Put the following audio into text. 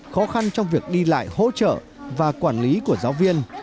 khó khăn trong việc đi lại hỗ trợ và quản lý của giáo viên